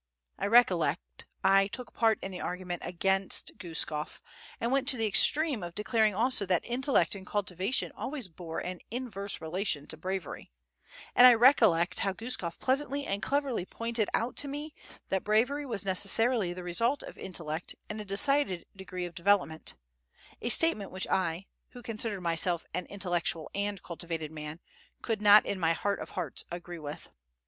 I recollect, I took part in the argument against Guskof, and went to the extreme of declaring also that intellect and cultivation always bore an inverse relation to bravery; and I recollect how Guskof pleasantly and cleverly pointed out to me that bravery was necessarily the result of intellect and a decided degree of development, a statement which I, who considered myself an intellectual and cultivated man, could not in my heart of hearts agree with.